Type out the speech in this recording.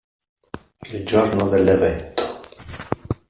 Il giorno dell'evento.